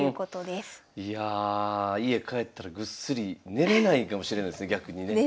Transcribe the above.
いや家帰ったらぐっすり寝れないかもしれないですね